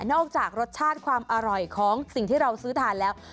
จากรสชาติความอร่อยของสิ่งที่เราซื้อทานแล้ว